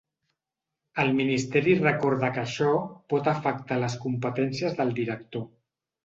El ministeri recorda que això pot afectar les competències del director.